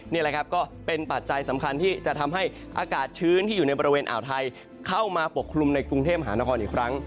นี่แหละครับก็เป็นปัจจัยสำคัญที่จะทำให้อากาศชื้นที่อยู่ในบริเวณอ่าวไทยเข้ามาปกคลุมในกรุงเทพมหานครอีกครั้ง